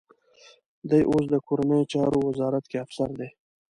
دی اوس د کورنیو چارو وزارت کې افسر دی.